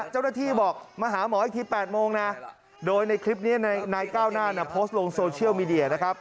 เจ้าหน้าที่บอกมาหาหมออีกที๘โมงนะโดยในคลิปนี้นายก้าวหน้าโพสต์ลงโซเชียลมีเดียนะครับ